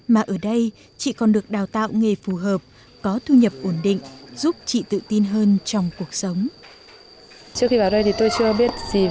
mà ở đây chị còn được đào tạo nghề phù hợp có thu nhập ổn định giúp chị tự tin hơn trong cuộc sống